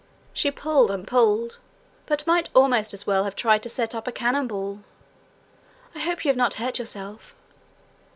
She pulled and pulled, but might almost as well have tried to set up a cannon ball. 'I hope you have not hurt yourself?'